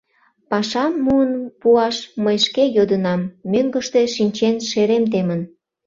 — Пашам муын пуаш мый шке йодынам: мӧҥгыштӧ шинчен шерем темын.